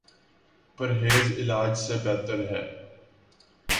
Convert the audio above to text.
پرہیز علاج سے بہتر ہے